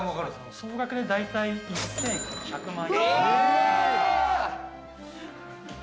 総額で大体１１００万円。